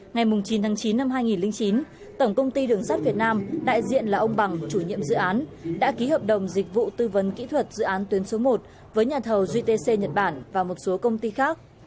ngày chín tháng chín năm hai nghìn chín tổng công ty đường sắt việt nam đại diện là ông bằng chủ nhiệm dự án đã ký hợp đồng dịch vụ tư vấn kỹ thuật dự án tuyến số một với nhà thầu gtc nhật bản và một số công ty khác